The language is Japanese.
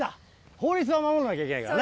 法律は守らなきゃいけないからね。